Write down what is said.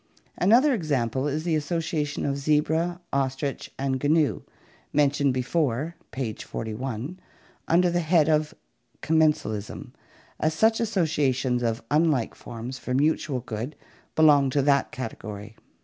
Another example is the association of zebra, ostrich, and gnu, mentioned before (page 41) under the head of commensalism, as such associations of unlike forms for mutual good belong to that category.